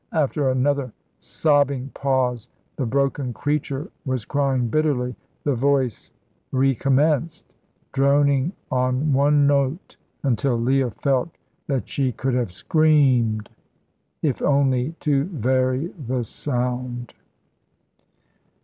After another sobbing pause the broken creature was crying bitterly the voice recommenced, droning on one note until Leah felt that she could have screamed if only to vary the sound.